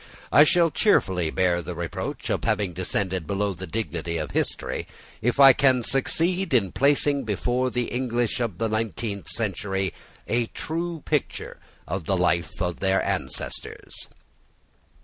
I shall cheerfully bear the reproach of having descended below the dignity of history, if I can succeed in placing before the English of the nineteenth century a true picture of the life of their ancestors.